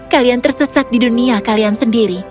kalian tersesat di dunia kalian sendiri